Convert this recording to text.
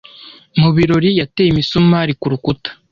Mubirori yateye imisumari kurukuta